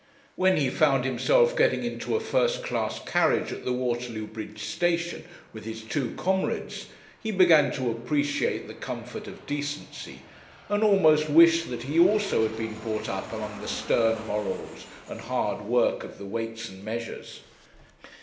When he found himself getting into a first class carriage at the Waterloo bridge station with his two comrades, he began to appreciate the comfort of decency, and almost wished that he also had been brought up among the stern morals and hard work of the Weights and Measures.